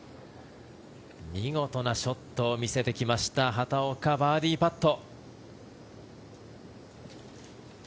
見事なショットを見せてきました畑岡、バーディーパット。